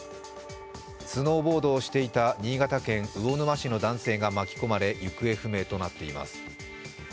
スノーボードをしていた新潟県魚沼市の男性が巻き込まれ行方不明となっています。